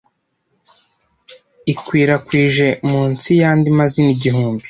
ikwirakwijwe munsi yandi mazina igihumbi